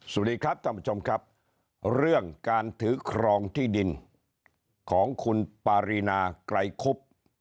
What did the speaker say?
สวัสดีครับท่านผู้ชมครับเรื่องการถือครองที่ดินของคุณปารีนาไกรคุบ